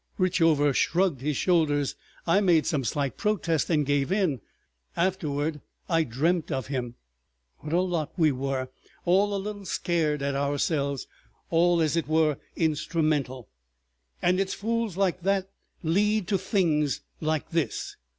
Richover shrugged his shoulders. I made some slight protest and gave in. ... Afterward I dreamt of him. "What a lot we were! All a little scared at ourselves—all, as it were, instrumental. ... "And it's fools like that lead to things like this!"